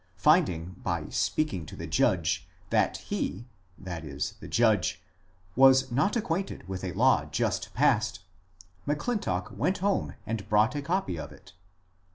Finding by FUGITIVE SLAVES 51 speaking to the judge that he (the judge) was not acquainted with a law just passed, M'Clintock went home and brought a copy of it.